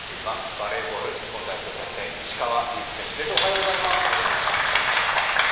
バレーボール日本代表キャプテン、石川祐希選手です。